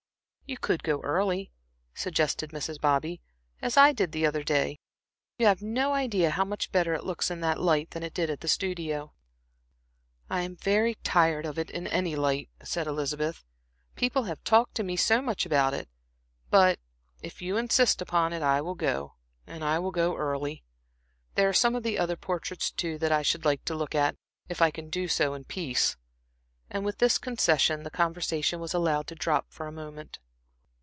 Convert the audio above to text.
"You could go early," suggested Mrs. Bobby, "as I did the other day. You have no idea how much better it looks in that light than it did at the studio." "I am very tired of it, in any light," said Elizabeth. "People have talked to me so much about it. But, if you insist upon it I will go I will go early. There are some of the other portraits too that I should like to look at, if I can do so in peace." And with this concession, the conversation was allowed to drop for a moment.